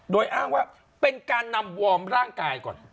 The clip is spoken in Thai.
โดยอ้างว่าเป็นการนำวอร์มร่างกายก่อน